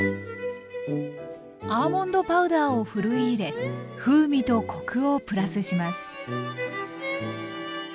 アーモンドパウダーをふるい入れ風味とコクをプラスします。